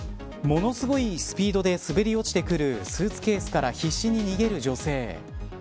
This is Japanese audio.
ものすごいスピードで滑り落ちてくるスーツケースから必死に逃げる女性。